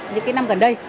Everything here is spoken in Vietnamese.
những cái năm gần đây